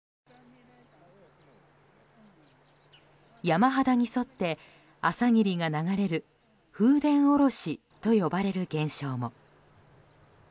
山肌に沿って朝霧が流れる風伝おろしと呼ばれる現象も。